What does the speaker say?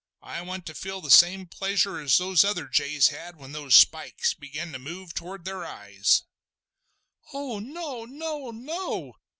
I want to feel the same pleasure as the other jays had when those spikes began to move toward their eyes!" "Oh no! no! no!"